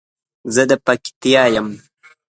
زه د پکتیا یم